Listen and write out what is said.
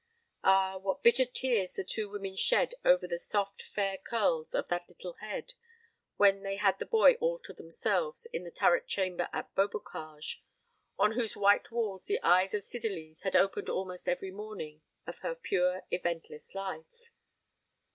Ah, what bitter tears the two women shed over the soft fair curls of that little head, when they had the boy all to themselves in the turret chamber at Beaubocage, on whose white walls the eyes of Cydalise had opened almost every morning of her pure eventless life!